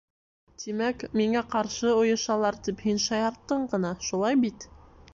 Тимәк, миңә ҡаршы ойошалар, тип, һин шаярттың ғына, шулай бит?